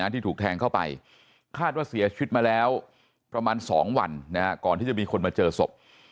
ที่ถูกแทงเข้าไปคาดว่าเสียชีวิตมาแล้วประมาณ๒วันก่อนที่จะมีคนมาเจอศพ